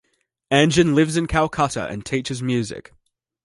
Anjan lives in Calcutta and teaches music.